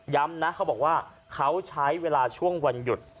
นะเขาบอกว่าเขาใช้เวลาช่วงวันหยุด